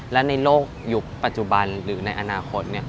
และในโลกยุคปัจจุบันหรือในอนาคต